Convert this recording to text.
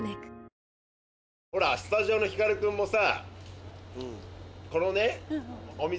スタジオのひかる君もさ。